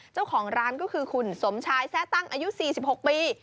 เจ้าของร้านก็คือคุณสมชายแซ่ตั้งอายุ๔๖ปี